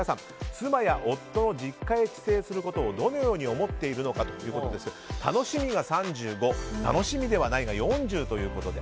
妻や夫の実家に帰省することをどのように思っているのかということですが楽しみが３５％楽しみではないが４０％。